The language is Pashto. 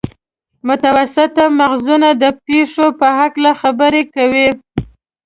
متوسط مغزونه د پېښو په هکله خبرې کوي.